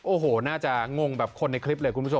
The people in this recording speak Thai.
โอ้โหน่าจะงงแบบคนในคลิปเลยคุณผู้ชม